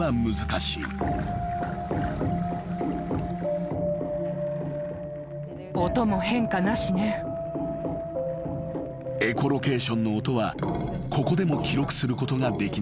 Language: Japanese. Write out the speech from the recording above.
［エコロケーションの音はここでも記録することができなかった］